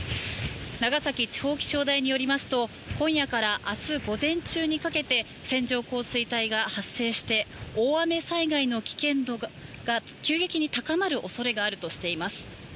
長崎地方気象台によりますと今夜から明日午前中にかけて線状降水帯が発生して大雨災害の危険度が急激に高まる恐れがあるとしています。